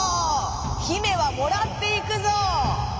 ひめはもらっていくぞ」。